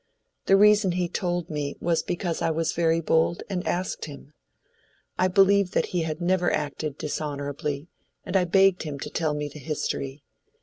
The reason he told me was because I was very bold and asked him. I believed that he had never acted dishonorably, and I begged him to tell me the history.